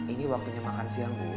ini waktunya makan siang bu